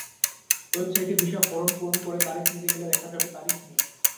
ওয়েবসাইটে visa form পূরণ করে তারিখ নিতে গেলে দেখা যাবে, তারিখ নেই।